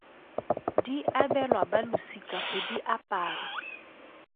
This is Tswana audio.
Di abelwa balosika go di apara.